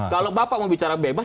kalau bapak mau bicara bebas